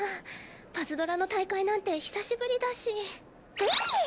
パズドラの大会なんて久しぶりだし。